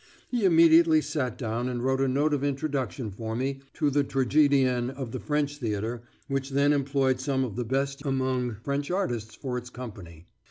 He immediately sat down and wrote a note of introduction for me to the tragedienne of the French Theatre, which then employed some of the best among French artists for its company.